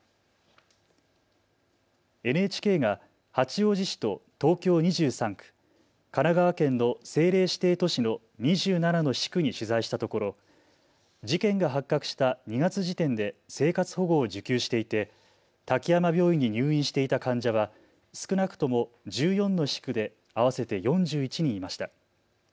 ＮＨＫが八王子市と東京２３区、神奈川県の政令指定都市の２７の市区に取材したところ事件が発覚した２月時点で生活保護を受給していて滝山病院に入院していた患者は少なくとも１４の市区で合わせて４１人いました。